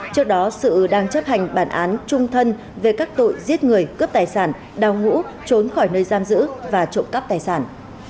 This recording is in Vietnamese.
trước đó sự đang chấp hành bản án trung thân về các tội giết người cướp tài sản đào ngũ trốn khỏi nơi giam giữ và trộm cắp tài sản